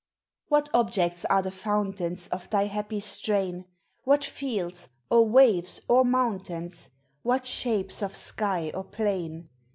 What objects are the fountains Of thy happy strain? What fields, or waves, or mountains? What shapes of sky or plain?